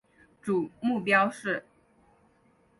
主要目标是